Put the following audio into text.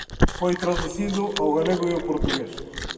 Foi traducido ao galego e ao portugués.